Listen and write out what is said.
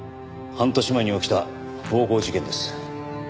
半年前に起きた暴行事件です。